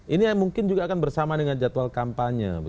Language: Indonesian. ini mungkin juga akan bersama dengan jadwal kampanye